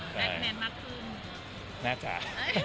แปลงแมนมากขึ้น